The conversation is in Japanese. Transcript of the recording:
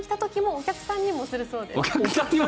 お客さんにもするんですか？